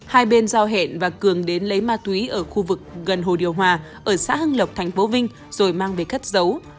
hai bên giao hẹn và cường đến lấy ma túy ở khu vực gần hồ điều hòa ở xã hưng lộc tp vinh rồi mang về cất giấu